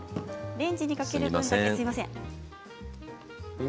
レンジにかける分だけ、すみません。